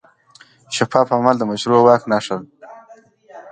شفاف عمل د مشروع واک نښه ده.